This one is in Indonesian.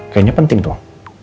kayaknya penting tuh